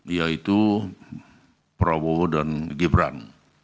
yaitu prabowo dan gibran